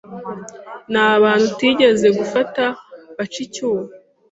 ni abantu utigeze gufata baca icyuho,